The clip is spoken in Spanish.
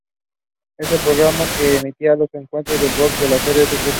Este programa, que emitía los encuentros de boxeo desde el St.